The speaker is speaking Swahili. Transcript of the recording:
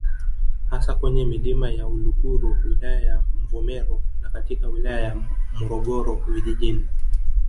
Hasa kwenye Milima ya Uluguru wilaya ya Mvomero na katika wilaya ya Morogoro vijijini